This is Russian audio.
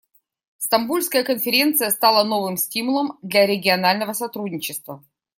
Стамбульская конференция стала новым стимулом для регионального сотрудничества.